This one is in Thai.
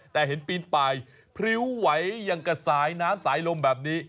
แต่เห็นปีนไปพริ้วไหวอย่างกับสายน้ำสายลมแบบนี้